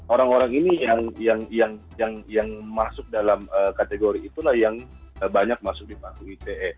orang orang ini yang masuk dalam kategori itulah yang banyak masuk di paku ite